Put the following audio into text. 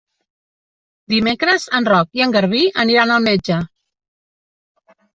Dimecres en Roc i en Garbí aniran al metge.